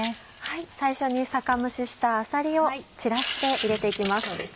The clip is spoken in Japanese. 最初に酒蒸ししたあさりを散らして入れて行きます。